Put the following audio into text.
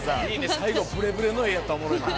最後ブレブレの画やったらおもろいのに。